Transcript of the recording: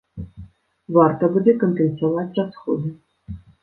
Варта будзе кампенсаваць расходы.